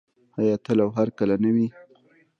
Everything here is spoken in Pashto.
آیا تل او هرکله نه وي؟